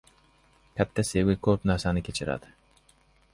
• Katta sevgi ko‘p narsani kechiradi.